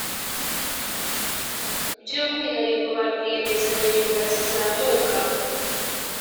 by’umwihariko ba rwiyemezamirimo bakizamuka